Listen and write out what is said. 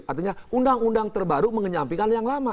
artinya undang undang terbaru mengenyampingkan yang lama